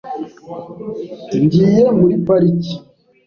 Ngiye muri parike .